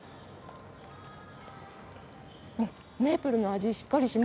メープルの味しっかりしますね。